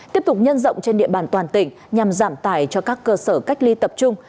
tiếp tục nhân rộng trên địa bàn toàn tỉnh nhằm giảm tài cho các cơ sở cách ly tập trung